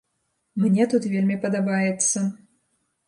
Мне тут вельмі падабаецца.